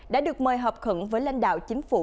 đã được mời họp khẩn với lãnh đạo chính phủ